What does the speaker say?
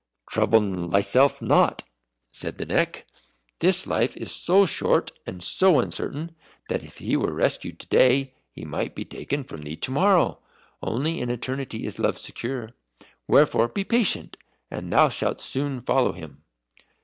"Trouble not thyself," said the Neck; "this life is so short and so uncertain, that if he were rescued to day he might be taken from thee to morrow. Only in eternity is love secure. Wherefore be patient, and thou shalt soon follow him."